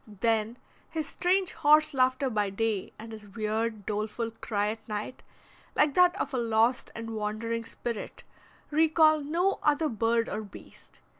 Then his strange horse laughter by day and his weird, doleful cry at night, like that of a lost and wandering spirit, recall no other bird or beast.